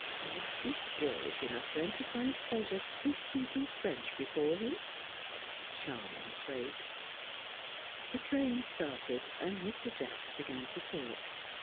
Was she girlish enough, then, to find pleasure in speaking French before him? A charming trait! The train started, and Mr. Jacks began to talk.